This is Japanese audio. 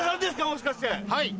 もしかして。